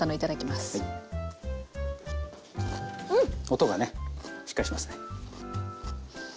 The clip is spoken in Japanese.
音がねしっかりしてますね。